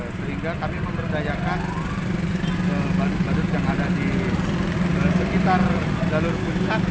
sehingga kami memberdayakan badut badut yang ada di sekitar jalur puncak